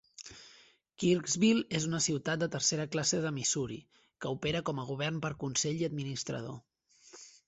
Kirksville és una ciutat de tercera classe de Missouri, que opera com a govern per consell i administrador.